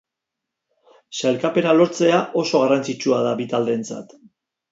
Sailkapena lortzea oso garrantzitsua da bi taldeentzat.